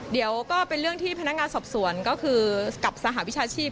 เดี๋ยวก็เป็นเรื่องที่พนักงานสอบสวนก็คือกับสหวิชาชีพ